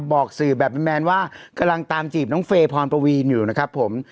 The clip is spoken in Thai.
บอกสื่อแบบแมนว่ากำลังตามจีบน้องเฟย์พรปวีนอยู่นะครับผม